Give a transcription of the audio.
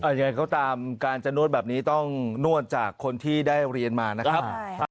ยังไงก็ตามการจะนวดแบบนี้ต้องนวดจากคนที่ได้เรียนมานะครับ